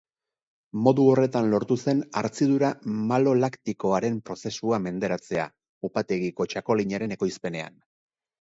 Modu horretan lortu zen hartzidura malo-laktikoaren prozesua menderatzea upategiko txakolinaren ekoizpenean.